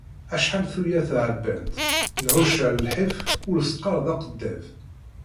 Acḥal tuyat εebbant, nεucer lḥif ur s-qqar d akeddab.